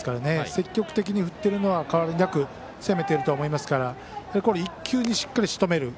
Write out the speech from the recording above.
積極的に振っているのは変わりなく攻めているとは思いますから１球でしっかりしとめる。